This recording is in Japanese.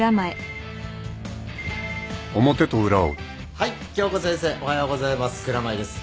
はい今日子先生おはようございます蔵前です。